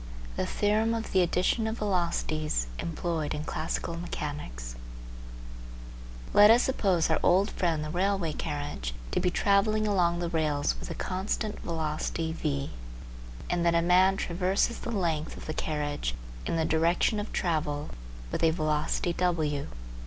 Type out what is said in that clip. THE THEOREM OF THE ADDITION OF VELOCITIES EMPLOYED IN CLASSICAL MECHANICS Let us suppose our old friend the railway carriage to be travelling along the rails with a constant velocity v, and that a man traverses the length of the carriage in the direction of travel with a velocity w.